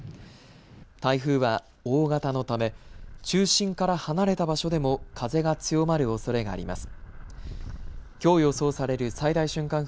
台風は大型のため中心から離れた場所でも風が強まるおそれがあります。